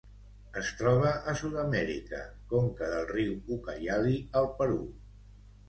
Es troba a Sud-amèrica: conca del riu Ucayali al Perú.